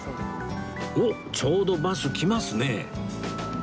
おっちょうどバス来ますね